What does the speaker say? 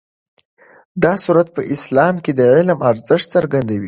دا سورت په اسلام کې د علم ارزښت څرګندوي.